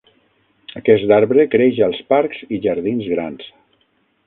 Aquest arbre creix als parcs i jardins grans.